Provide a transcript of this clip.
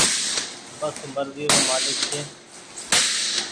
بس مرزي رو مآلڪ ڇي۔